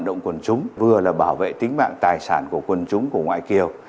động quân chúng vừa là bảo vệ tính mạng tài sản của quần chúng của ngoại kiều